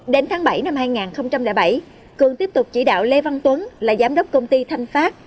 đến tháng bảy năm hai nghìn bảy cường tiếp tục chỉ đạo lê văn tuấn là giám đốc công ty thanh phát